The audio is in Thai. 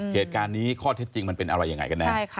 เหตุการณ์นี้ข้อเท็จจริงมันเป็นอะไรยังไงกันแน่